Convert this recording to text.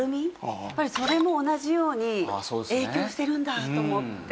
それも同じように影響してるんだと思って。